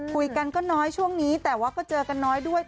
คุยกันก็น้อยช่วงนี้แต่ว่าก็เจอกันน้อยด้วย